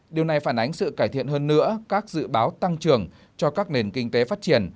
điều này phản ánh sự cải thiện hơn nữa các dự báo tăng trưởng cho các nền kinh tế phát triển